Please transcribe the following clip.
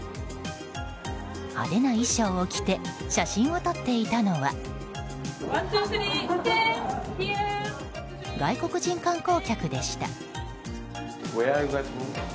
派手な衣装を着て写真を撮っていたのは外国人観光客でした。